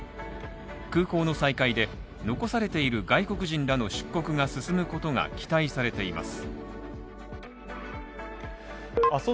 空港の再開で残されている外国人らの出国が進むことが期待されています